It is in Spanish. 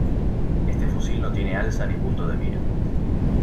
Este fusil no tiene alza ni punto de mira.